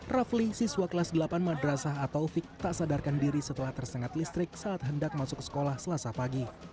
rafli siswa kelas delapan madrasah atau fik tak sadarkan diri setelah tersengat listrik saat hendak masuk ke sekolah selasa pagi